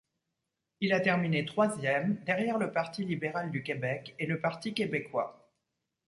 Il a terminé troisième, derrière le Parti libéral du Québec et le Parti québécois.